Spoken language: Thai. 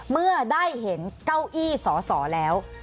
เมื่อได้เห็นเก้าอี้สอสอแล้ว